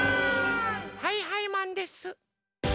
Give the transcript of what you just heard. はいはいマンです！